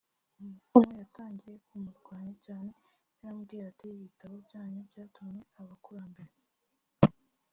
umupfumu yatangiye kumurwanya cyane yaramubwiye ati ibitabo byanyu byatumye abakurambere